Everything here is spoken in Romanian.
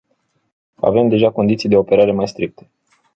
Avem deja condiții de operare mai stricte.